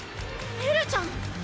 エルちゃん！